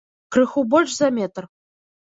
Крыху больш за метр.